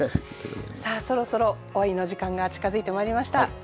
さあそろそろ終わりの時間が近づいてまいりました。